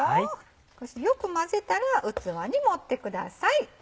よく混ぜたら器に盛ってください。